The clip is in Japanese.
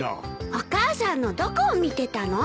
お母さんのどこを見てたの？